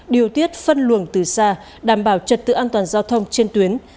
điều tiết phân luồng từ xa đảm bảo trật tự an toàn giao thông trên tuyến